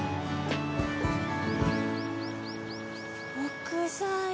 木材。